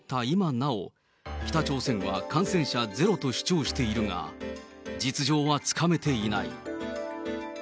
今なお、北朝鮮は感染者ゼロと主張しているが、実情はつかめていない。